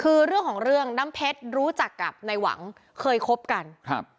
คือเรื่องของเรื่องน้ำเพชรรู้จักกับในหวังเคยคบกันครับ